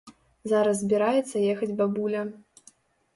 Зараз збіраецца ехаць бабуля.